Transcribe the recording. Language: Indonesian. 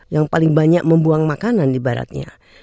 yang paling banyak membuang makanan di baratnya